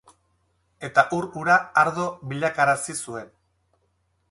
Eta ur hura ardo bilakarazi zuen.